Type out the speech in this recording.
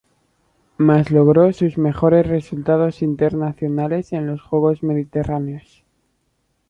Mas logró sus mejores resultados internacionales en los Juegos Mediterráneos.